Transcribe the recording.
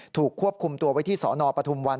ถูกควบคุมตัวไว้ที่สนปฐุมวัน